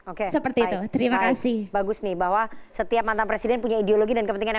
oke seperti itu terima kasih bagus nih bahwa setiap mantan presiden punya ideologi dan kepentingan